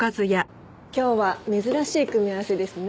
今日は珍しい組み合わせですね。